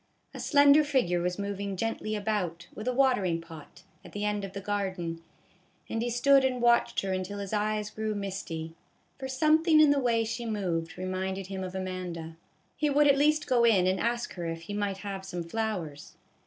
A slender figure was moving gently about, with a watering pot, at the end of the garden, and he stood and watched her until his eyes grew misty; for something in the way she moved reminded him of Amanda. He would at least go in and ask her if he might have some flowers.